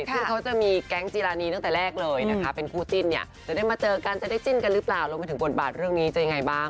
ซึ่งเขาจะมีแก๊งจีรานีตั้งแต่แรกเลยนะคะเป็นคู่จิ้นเนี่ยจะได้มาเจอกันจะได้จิ้นกันหรือเปล่ารวมไปถึงบทบาทเรื่องนี้จะยังไงบ้าง